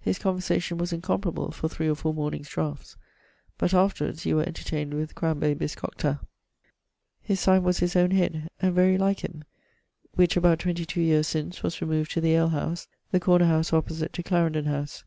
His conversation was incomparable for three or four mornings' draughts. But afterwards you were entertained with crambe bis cocta. His signe was his owne head, and very like him, which about 22 yeares since was removed to the alehowse, the corner howse opposite to Clarendon howse.